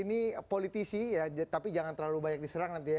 ini politisi ya tapi jangan terlalu banyak diserang nanti ya